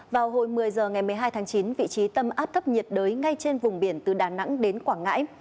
vào hồi một mươi h ngày một mươi hai tháng chín vị trí tâm áp thấp nhiệt đới ngay trên vùng biển từ đà nẵng đến quảng ngãi